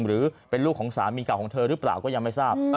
หรือเป็นลูกของสามีเก่าของเธอหรือเปล่าก็ยังไม่ทราบ